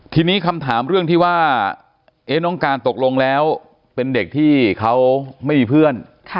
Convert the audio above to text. ทีนี้คำถามเรื่องที่ว่าน้องการตกลงแล้วเป็นเด็กที่เขาไม่มีเพื่อน